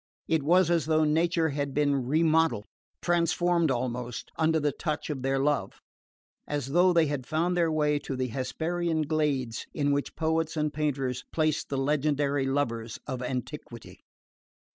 It was as though nature had been remodelled, transformed almost, under the touch of their love: as though they had found their way to the Hesperian glades in which poets and painters placed the legendary lovers of antiquity.